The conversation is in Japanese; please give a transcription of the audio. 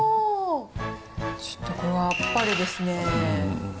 ちょっとこれは、あっぱれですね。